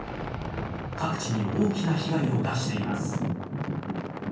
各地に大きな被害を出しています。